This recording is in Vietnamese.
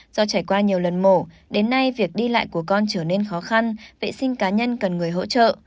do trải qua nhiều lần mổ đến nay việc đi lại của con trở nên khó khăn vệ sinh cá nhân cần người hỗ trợ